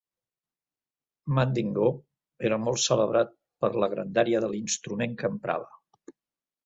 Mandín Go era molt celebrat per la grandària de l'instrumental que emprava.